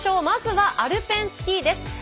まずはアルペンスキーです。